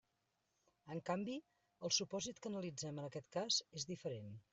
En canvi, el supòsit que analitzem en aquest cas és diferent.